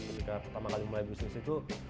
ketika pertama kali mulai bisnis itu